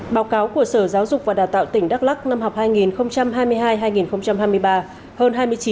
báo cáo của sở giáo dục và đào tạo tỉnh đắk lắc năm học hai nghìn hai mươi hai hai nghìn hai mươi ba